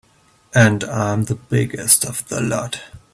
And I'm the biggest of the lot.